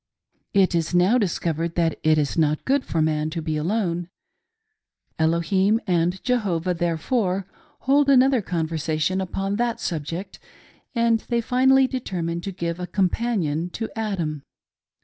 It is now discovered that it is not good for man to be alone ; Elohim and Jehovah, therefore, hold another conversation upon that subject, ahd they finally determine to give a com panion to Adam.